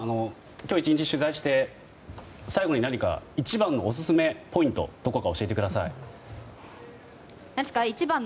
今日１日、取材して最後に一番のオススメポイントどこか教えてください。